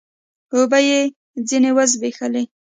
اوبه يې ځيني و زبېښلې